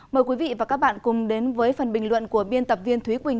mời quý vị và các bạn cùng đến với phần bình luận của biên tập viên thúy quỳnh